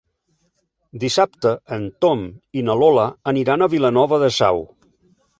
Dissabte en Tom i na Lola aniran a Vilanova de Sau.